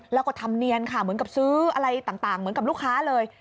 แล้วก็ทำเนียนค่ะเหมือนกับซื้ออะไรต่างเหมือนกับลูกค้าเลย